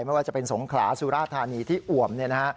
ไม่ว่าจะเป็นสงขลาสุรธานีที่อว่ำ